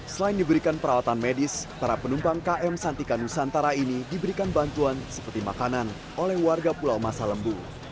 selain diberikan perawatan medis para penumpang km santikan nusantara ini diberikan bantuan seperti makanan oleh warga pulau masa lembu